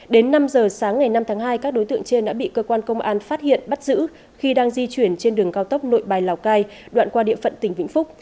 đến năm giờ sáng ngày năm tháng hai các đối tượng trên đã bị cơ quan công an phát hiện bắt giữ khi đang di chuyển trên đường cao tốc nội bài lào cai đoạn qua địa phận tỉnh vĩnh phúc